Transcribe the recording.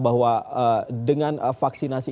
bahwa dengan vaksinasi